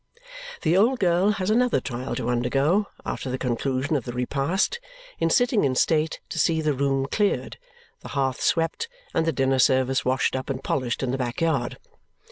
The old girl has another trial to undergo after the conclusion of the repast in sitting in state to see the room cleared, the hearth swept, and the dinner service washed up and polished in the backyard.